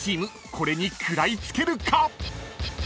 これに食らいつけるか⁉］